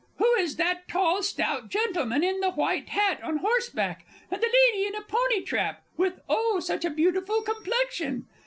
Who is that tall, stout gentleman, in the white hat, on horseback, and the lady in a pony trap, with, oh, such a beautiful complexion!